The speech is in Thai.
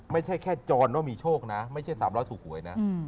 ไม่ใช่แค่จรวมว่ามีโชคนะไม่ใช่สามร้อยถูกหวยนะ